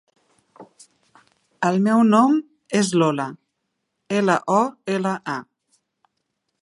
El meu nom és Lola: ela, o, ela, a.